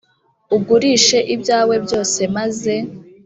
ugurishe ibyawe byose maze